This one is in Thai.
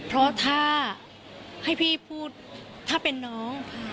เพราะถ้าให้พี่พูดถ้าเป็นน้อง